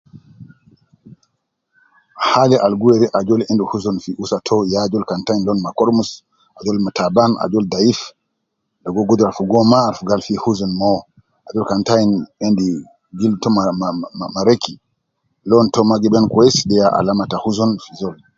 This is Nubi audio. Hali al gi weri ajol endi huzun fi usa to ya ajol kan te ayin lon ma koromus, ajol taban, ajol dayif logo gudura fogo ma, aruf gal fi huzun mo, ajol kan te ayin endi gil to ma ma ma reki, lon to ma gi ben kwesi, de ya alama ta huzun fi zol